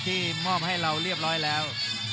มอบให้เราเรียบร้อยแล้ว